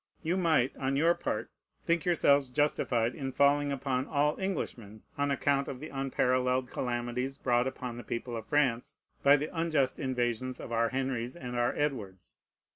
You might, on your part, think yourselves justified in falling upon all Englishmen on account of the unparalleled calamities brought upon the people of France by the unjust invasions of our Henrys and our Edwards.